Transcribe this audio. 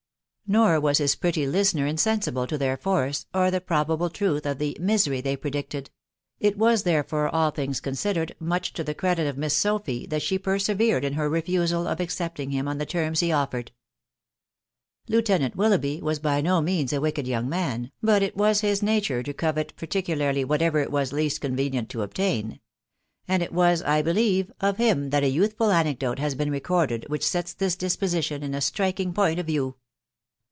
Nor was his pretty listener insensible to their force, or the probable truth of the " misery" they predicted; it was, therefore, all things con sidered, much to the credit of Miss Sophy that she persevered in her refusal of accepting him on the terms he offered. Lieutenant Willoughby was by no means a wicked young man, but it was his nature to covet particularly whatever it was least convenient to obtain ; and it was, I believe, of him that a youthful anecdote has been recorded which sets this disposition in a striking point of view.